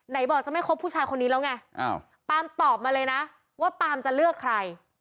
บอกจะไม่คบผู้ชายคนนี้แล้วไงปาล์มตอบมาเลยนะว่าปามจะเลือกใคร